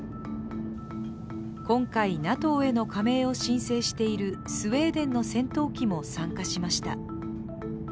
今回、ＮＡＴＯへの加盟を申請しているスウェーデンの戦闘機も参加しました。